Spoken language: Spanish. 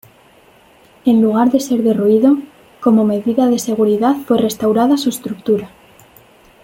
En lugar de ser derruido, como medida de seguridad fue restaurada su estructura.